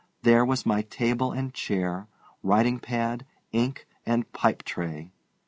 There was my table and chair, writing pad, ink, and pipe tray.